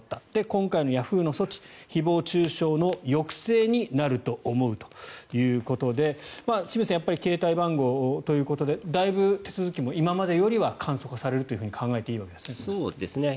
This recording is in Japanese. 今回のヤフーの措置誹謗・中傷の抑制になると思うということで清水さん、携帯番号ということでだいぶ手続きも今までよりは簡素化されると考えていいんですかね。